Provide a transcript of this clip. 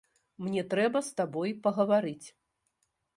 Мне трэба з табой пагаварыць.